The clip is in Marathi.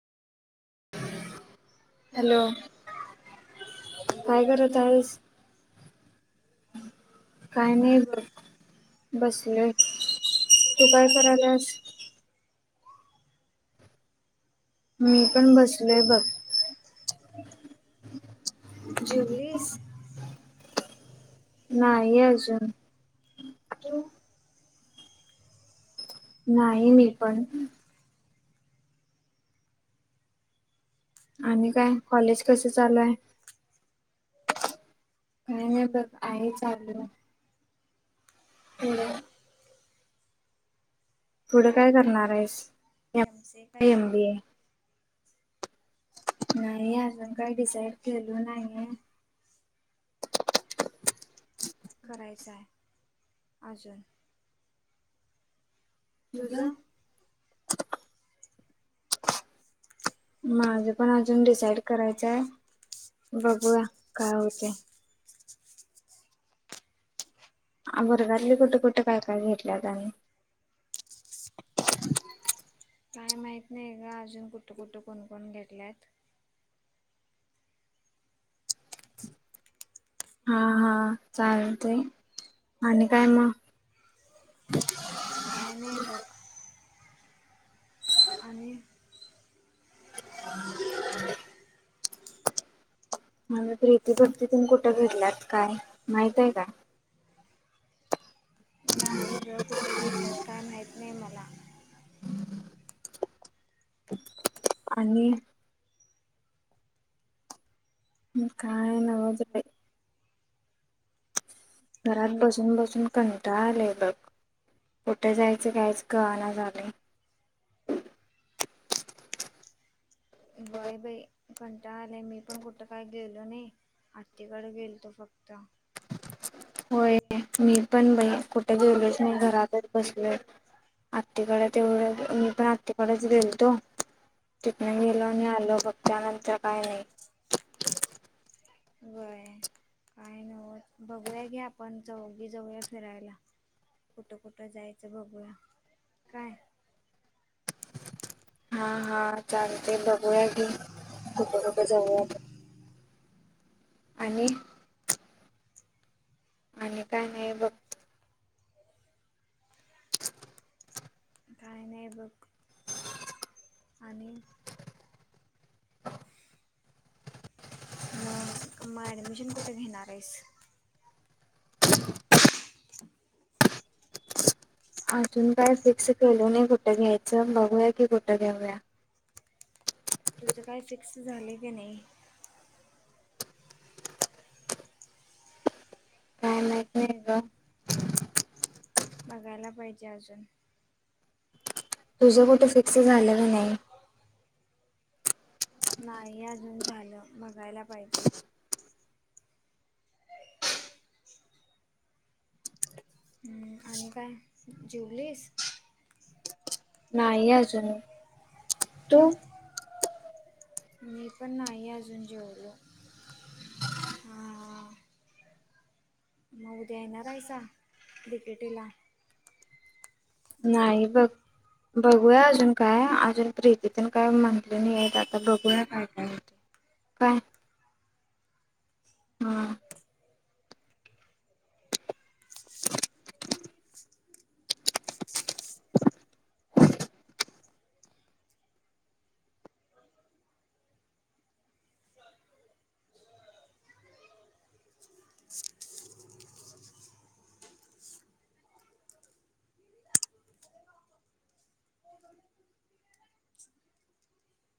हॅलो काय करत आहेस. काय नाही बघ बसल तू काय करल्यास? मी पण बसलोय बघ. [inaudible] जेवलीस. नाही अजून तू? नाही मी पण. आणि काय, कॉलेज कस चालू हाय? काय नाही बग आहे चालू. पुढ. पुढे काय करणार आहेस, एम सी ए काय एम बी ए? नाही अजून काही डिसाईड केलं नाही नई. अजून. तुझ. माझं पण अजून डिसाइड करायचं हाय, बघूया काय होतय. वर्गातली कुठ कुठ काय काय घेतल्यात आणि? काय माहित नाही ग अजून कुठं कुठं कोण कोण घेतल्यात. हा हा चालतंय आणि काय मग? काय नाही बग. आणि? मग प्रीती, भक्ती तेन कुठं घेतल्यात काय, माहित आहे काय? नाही ग कुठे घेतल्यात का मात नाही मला. [inaudible] आणि? काय नवच बई. घरात बसून बसून कंटाळ आलय बघ. कुठ जायच कायच कळना झालय. होय बइ. कंटाळ आलाय मी पण कुठ काही गेलो नई. आत्तीकडं गेलतो फक्त. होय. मी पण बई कुठे गेलोच नाही घरातच बसलो आत्तीकडे तेवढ, मी पण आत्तीकडेच गेलतो. म गेलो आणि आलो बघ त्यानंतर काय नाही. काय नवच. बघूया घे आपण जाऊन. दोगी जऊया फिरायला. कुठं कुठं जायच बघूया. काय? हा हा चालतय बघूया घे. कुठ कुठ जाऊया आपण. आणि? आणि काय नाही बघ. काय नई बघ. आणि [inaudible] मग म ऍडमिशन कुठे घेणार आहेस? अजून काय फिक्स केलो नई कुठे घ्यायच बघूया की कुठ घेऊया. तुझ काय फिक्स झाली की नई? काय माहित नाही ग. बघायला पाहिजे अजून. तुझ कुठे फिक्स झाल काय नई? नाही अजून झाल बघायला पाहिजे. हम् आणि काय जिवलीस? नाही अजून. तू? मी पण नाही अजून जेवलो. हा. मग उद्या येणार आहेसा डीकेटीला? नाही बघ, बघूया अजून काय अजून प्रीतीतेन काय म्हंटली नाहीत. आता बघूया काय काय? काय? हम.